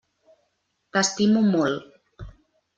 T'estimo molt.